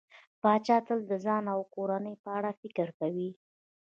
پاچا تل د ځان او کورنۍ په اړه فکر کوي.